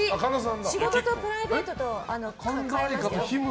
仕事とプライベートのことと。